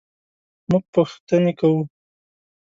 مونږ پوښتنې کوو